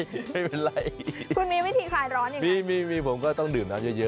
คุณมีวิธีคลายร้อนอย่างนั้นมีผมก็ต้องดื่มน้ำเยอะ